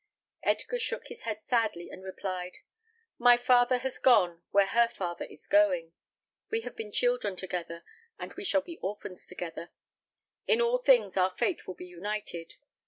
Edgar shook his head sadly, and replied, "My father has gone where her father is going. We have been children together, and we shall be orphans together. In all things our fate will be united.